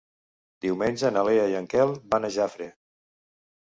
Diumenge na Lea i en Quel van a Jafre.